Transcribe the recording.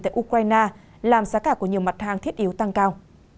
tại ukraine làm giá cả của nhiều mặt hàng thiết yếu tăng cao